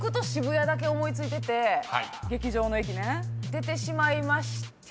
出てしまいまして。